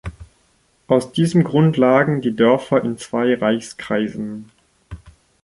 Aus diesem Grund lagen die Dörfer in zwei Reichskreisen.